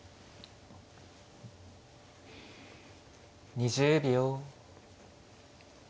２０秒。